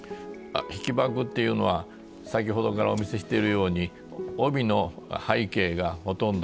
引箔っていうのは先ほどからお見せしているように帯の背景がほとんどです。